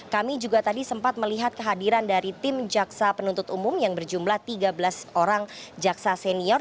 kami juga tadi sempat melihat kehadiran dari tim jaksa penuntut umum yang berjumlah tiga belas orang jaksa senior